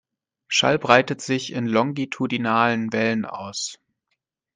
Schall breitet sich in longitudinalen Wellen aus.